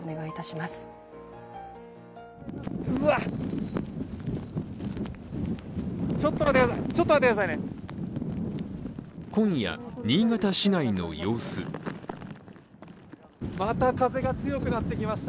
また風が強くなってきました。